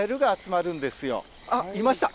あっいました！